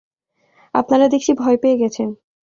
আপনারা দেখছি ভয় পেয়ে গেছেন!